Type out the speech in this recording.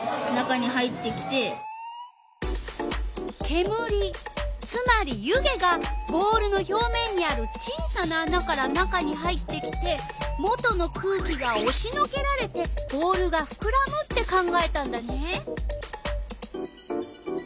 けむりつまり湯気がボールの表面にある小さなあなから中に入ってきてもとの空気がおしのけられてボールがふくらむって考えたんだね。